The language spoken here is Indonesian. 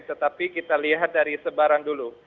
tetapi kita lihat dari sebaran dulu